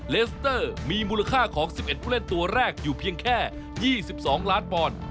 เลสเตอร์มีมูลค่าของ๑๑ผู้เล่นตัวแรกอยู่เพียงแค่๒๒ล้านปอนด์